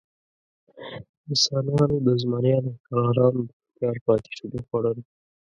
انسانانو د زمریانو او شغالانو د ښکار پاتېشوني خوړل.